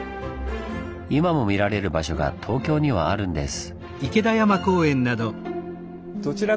今も見られる場所が東京にはあるんです。